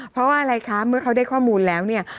เพราะว่าอะไรคะเมื่อเขาได้ข้อมูลแล้วเนี่ย